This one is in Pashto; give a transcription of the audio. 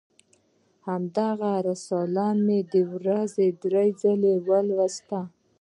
همدغه رساله مې د ورځې درې ځله لوستله.